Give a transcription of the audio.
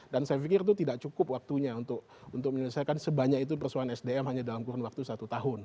dan saya pikir itu tidak cukup waktunya untuk menyelesaikan sebanyak itu persoalan sdm hanya dalam kurun waktu satu tahun